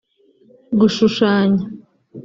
gushushanya